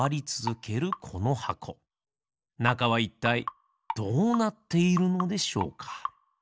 なかはいったいどうなっているのでしょうか？